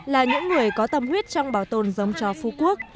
là những người có tâm huyết trong bảo tồn giống chó phú quốc